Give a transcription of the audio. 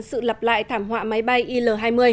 sự lặp lại thảm họa máy bay il hai mươi